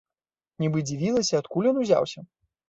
Нібы дзівілася, адкуль ён узяўся.